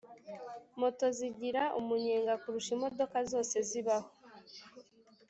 Moto zigira umunyenga kurusha imodoka zose zibaho